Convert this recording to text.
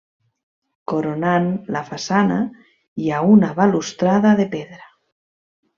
Coronant la façana hi ha una balustrada de pedra.